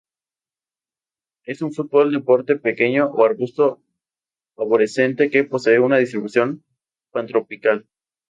Es un árbol de porte pequeño o arbusto arborescente que posee una distribución pantropical.